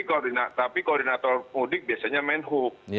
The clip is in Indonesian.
jadi tapi koordinator mudik biasanya men hub